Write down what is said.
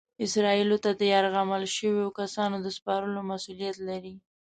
اسرائیلو ته د یرغمل شویو کسانو د سپارلو مسؤلیت لري.